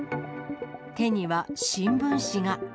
手には新聞紙が。